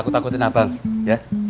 takut dua in abang ya